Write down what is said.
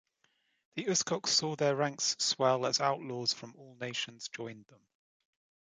The uskoks saw their ranks swell as outlaws from all nations joined them.